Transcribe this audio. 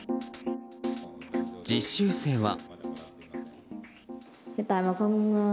実習生は。